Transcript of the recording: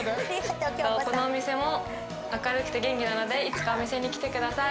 このお店も明るくて元気なので、いつかお店に来てください。